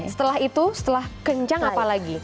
setelah itu setelah kencang apa lagi